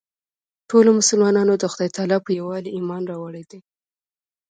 ټولو مسلمانانو د خدای تعلی په یووالي ایمان راوړی دی.